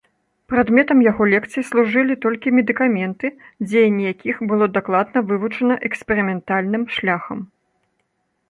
Прадметам яго лекцый служылі толькі медыкаменты, дзеянне якіх было дакладна вывучана эксперыментальным шляхам.